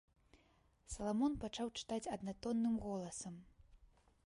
Саламон пачаў чытаць аднатонным голасам.